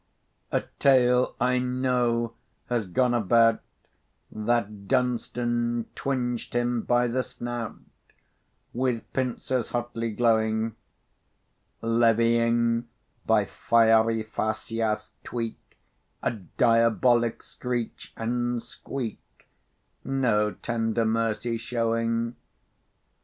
A tale, I know, has gone about, That Dunstan twinged him by the snout With pincers hotly glowing; Levying, by fieri facias tweak, A diabolic screech and squeak, No tender mercy showing.